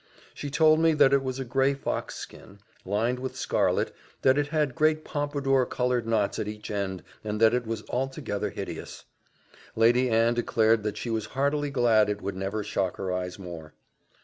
She told me that it was a gray fox skin, lined with scarlet; that it had great pompadour coloured knots at each end, and that it was altogether hideous. Lady Anne declared that she was heartily glad it would never shock her eyes more.